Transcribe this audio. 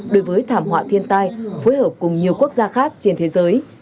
đối với thảm họa thiên tai phối hợp cùng nhiều quốc gia khác trên thế giới